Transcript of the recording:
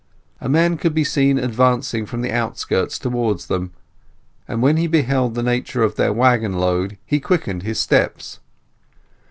A man could be seen advancing from the outskirts towards them, and when he beheld the nature of their waggon load he quickened his steps.